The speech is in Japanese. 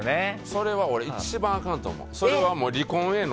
それは俺、一番あかんと思う。